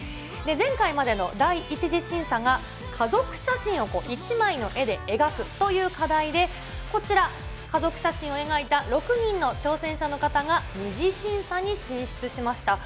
前回までの第１次審査が、家族写真を一枚の絵で描くという課題で、こちら、家族写真を描いた６人の挑戦者の方が２次審査に進出しました。